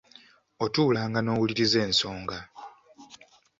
Otuulanga n’owulirirza ensonga.